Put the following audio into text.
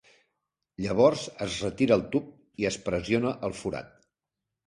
Llavors es retira el tub i es pressiona el forat.